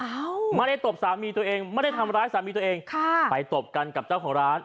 ไม่ได้ตบสามีตัวเองไม่ได้ทำร้ายสามีตัวเองค่ะไปตบกันกับเจ้าของร้าน